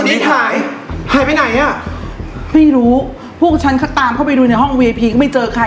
อีกหายไปไหนอ่ะไม่รู้พวกชั้นก็ตามเข้าไปดูในห้องห้องไม่เจอกัน